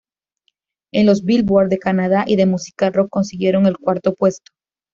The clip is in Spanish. En los "Billboard" de Canadá y de música rock consiguieron el cuarto puesto.